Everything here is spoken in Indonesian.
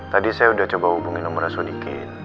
tadi saya udah coba hubungi nomor asudikin